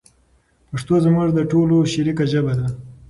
پښتو زموږ د ټولو شریکه ژبه ده.